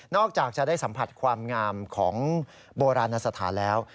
จากจะได้สัมผัสความงามของโบราณสถานแล้ว